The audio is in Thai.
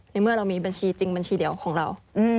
เมื่อเรามีบัญชีจริงบัญชีเดียวของเรา